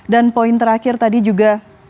dan poin terakhir tadi juga